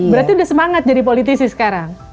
berarti udah semangat jadi politisi sekarang